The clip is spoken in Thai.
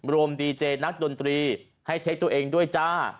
ดีเจนักดนตรีให้เช็คตัวเองด้วยจ้า